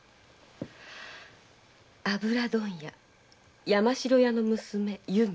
油問屋・山城屋の娘・由美。